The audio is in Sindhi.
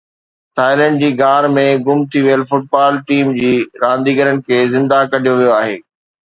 ٿائيلينڊ جي غار ۾ گم ٿي ويل فٽبال ٽيم جي رانديگرن کي زنده ڪڍيو ويو آهي